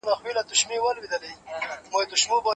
چا ویل اوس له هغه ښاره خوښۍ کډه کړې